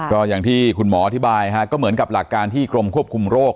ก็อย่างที่คุณหมออธิบายก็เหมือนกับหลักการที่กรมควบคุมโรค